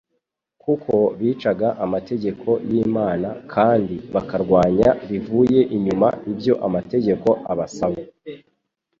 kuko bicaga amategeko y’Imana kandi bakarwanya bivuye inyuma ibyo amategeko abasaba.